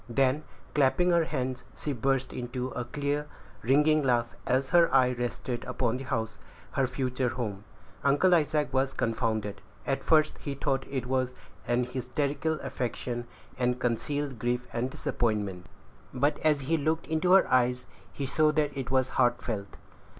Then, clapping her hands, she burst into a clear, ringing laugh, as her eye rested upon the house her future home. Uncle Isaac was confounded. At first he thought it was an hysterical affection, and concealed grief and disappointment; but, as he looked into her eyes, he saw that it was heartfelt.